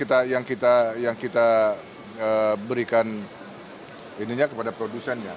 jadi nanti yang kita berikan ininya kepada produsennya